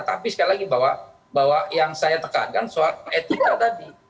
tapi sekali lagi bahwa yang saya tekankan soal etika tadi